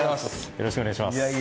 よろしくお願いします。